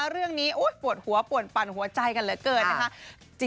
เรื่องนี้ปวดหัวปวดปั่นหัวใจกันเหลือเกินนะคะ